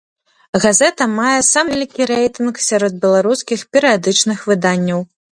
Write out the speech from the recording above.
Газета мае самы вялікі рэйтынг сярод беларускіх перыядычных выданняў.